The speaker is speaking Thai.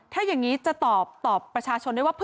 ถ้าอย่างนี้จะตอบประชาชนได้ว่า